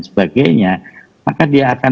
sebagainya maka dia akan